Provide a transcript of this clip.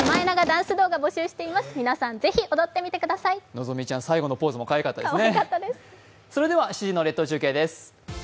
のぞみちゃん、最後のポーズもかわいかったですね。